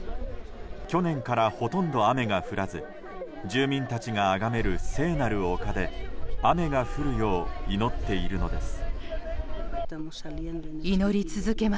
去年からほとんど雨が降らず住民たちがあがめる聖なる丘で雨が降るよう祈っているのです。